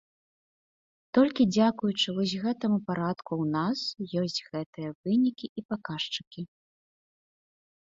Толькі дзякуючы вось гэтаму парадку ў нас ёсць гэтыя вынікі і паказчыкі.